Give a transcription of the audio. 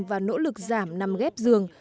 và nỗ lực giảm nằm ghép giường